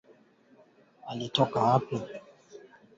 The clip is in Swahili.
Kutokana na kuiuzia Kenya bidhaa zake katika mwezi huo